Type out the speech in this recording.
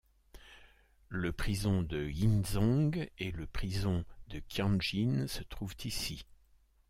Le Prison de Jinzhong et le Prison de Qianjin se trouvent ici.